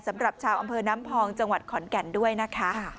สำหรับชาวอำเภอน้ำพองจังหวัดขอนแก่นด้วยนะคะ